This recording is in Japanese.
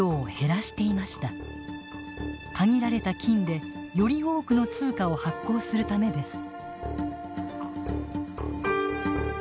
限られた金でより多くの通貨を発行するためです。